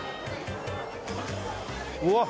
うわっ！